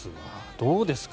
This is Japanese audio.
どうですか？